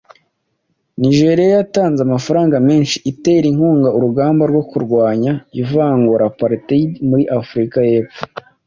Nigeria yatanze amafaranga menshi itera inkunga urugamba rwo kurwanya ivangura (Apartheid) muri Afurika y’Epfo